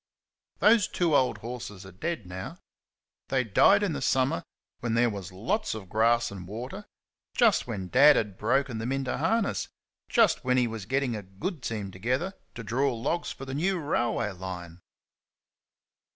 Those two old horses are dead now. They died in the summer when there was lots of grass and water just when Dad had broken them into harness just when he was getting a good team together to draw logs for the new railway line!